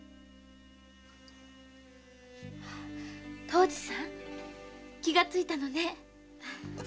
藤次さん気がついたのね。